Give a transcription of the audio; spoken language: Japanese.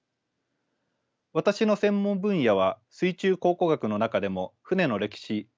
私の専門分野は水中考古学の中でも船の歴史